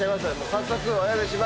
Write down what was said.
早速お呼びします。